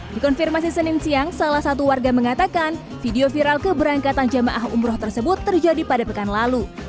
dikonfirmasi senin siang salah satu warga mengatakan video viral keberangkatan jemaah umroh tersebut terjadi pada pekan lalu